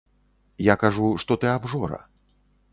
Я кажу, што ты абжора.